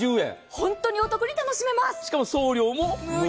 本当にお得に楽しめます。